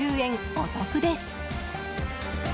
お得です！